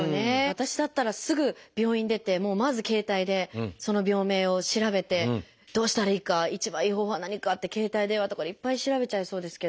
私だったらすぐ病院出てまず携帯でその病名を調べてどうしたらいいか一番いい方法は何かって携帯電話とかでいっぱい調べちゃいそうですけど。